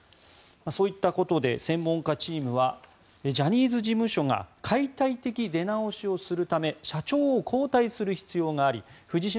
そういったことで専門家チームはジャニーズ事務所が解体的出直しをするため社長を交代する必要があり藤島